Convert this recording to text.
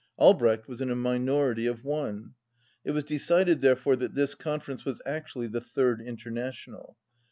Albrecht was in a minority of one. It was decided therefore that this confer ence was actually the Third International.